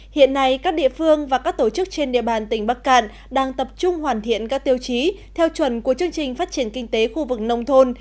hiện nay các địa phương và các tổ chức trên địa bàn tỉnh bắc cạn đang tập trung hoàn thiện các tiêu chí theo chuẩn của chương trình phát triển kinh tế khu vực nông thôn